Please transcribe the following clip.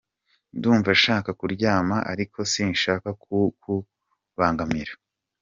Ndumva nshaka kuryama ariko sinshaka kukubangamira.